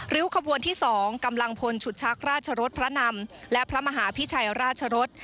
ริ้วขบวนที่๒กำลังพลฉุดชักราชรสพระนำและพระมหาพิชัยราชรส